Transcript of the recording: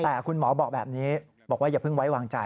แต่คุณหมอบอกแบบนี้บอกว่าอย่าเพิ่งไว้วางใจ